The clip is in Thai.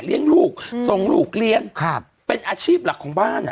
ลูกส่งลูกเลี้ยงครับเป็นอาชีพหลักของบ้านอ่ะ